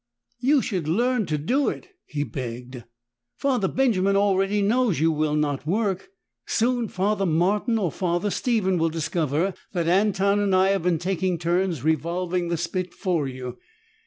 "You should learn to do it!" he begged. "Father Benjamin already knows that you will not work! Soon Father Martin or Father Stephen will discover that Anton and I have been taking turns revolving the spit for you.